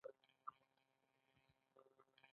افغانستان د انګور د ساتنې لپاره قوانین لري.